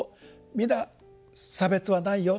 皆差別はないよ。